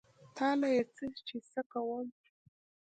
تا له يې څه چې زه څه کوم.